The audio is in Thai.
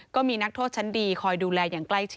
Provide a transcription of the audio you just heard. ก็มีนักโทษชั้นดีคอยดูแลอย่างใกล้ชิด